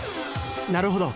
なるほど。